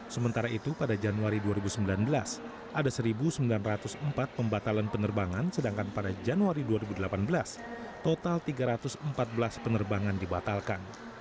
sementara itu pada januari dua ribu sembilan belas ada satu sembilan ratus empat pembatalan penerbangan sedangkan pada januari dua ribu delapan belas total tiga ratus empat belas penerbangan dibatalkan